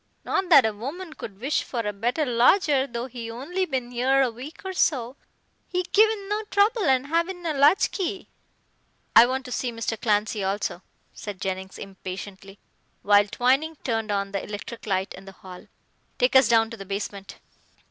Not that a woman could wish for a better lodger, though he only bin 'ere a week or so, he givin' no trouble and havin' a latch key." "I want to see Mr. Clancy also," said Jennings impatiently, while Twining turned on the electric light in the hall. "Take us down to the basement."